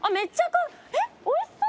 えっおいしそう。